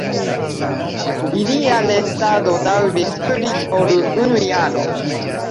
Ilia restado daŭris pli ol unu jaro.